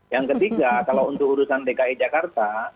yang ketiga kalau untuk urusan dki jakarta